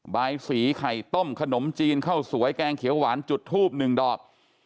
ใบสีไข่ต้มขนมจีนข้าวสวยแกงเขียวหวานจุดทูบหนึ่งดอก